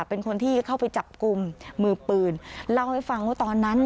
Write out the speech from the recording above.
เป็นคนที่เข้าไปจับกลุ่มมือปืนเล่าให้ฟังว่าตอนนั้น